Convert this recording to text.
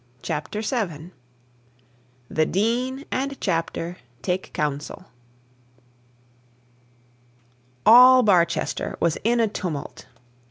CHAPTER VII THE DEAN AND CHAPTER TAKE COUNSEL All Barchester was in a tumult.